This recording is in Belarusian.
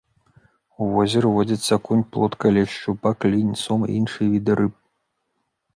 У возеры водзяцца акунь, плотка, лешч, шчупак, лінь, сом і іншыя віды рыб.